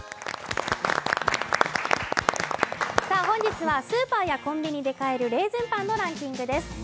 本日はスーパーやコンビニで買えるレーズンパンのランキングです。